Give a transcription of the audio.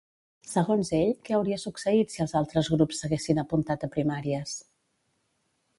Segons ell, què hauria succeït si els altres grups s'haguessin apuntat a Primàries?